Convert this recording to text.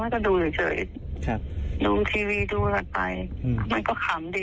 แม่ไม่ว่าอะไรเพราะฉะนั้นสิ่งที่เขาจะหามาหลักฐานแล้วคุณแม่ก็ไม่ได้โทรไปว่าอะไรเลย